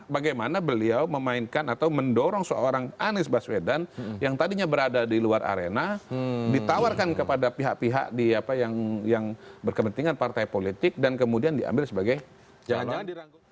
bagaimana beliau memainkan atau mendorong seorang anies baswedan yang tadinya berada di luar arena ditawarkan kepada pihak pihak yang berkepentingan partai politik dan kemudian diambil sebagai jangan jangan dirangkul